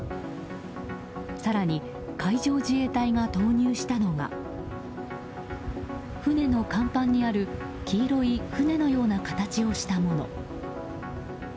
更に海上自衛隊が投入したのは船の甲板にある黄色い船の形をしたもの。